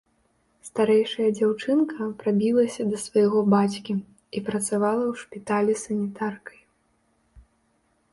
Старэйшая дзяўчынка прабілася да свайго бацькі і працавала ў шпіталі санітаркай.